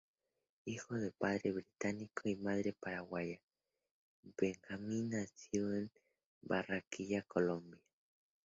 Hijo de padre británico y madre paraguaya, Benjamin nació en Barranquilla, Colombia.